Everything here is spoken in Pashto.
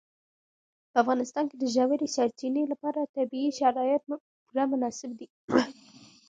په افغانستان کې د ژورې سرچینې لپاره طبیعي شرایط پوره مناسب دي.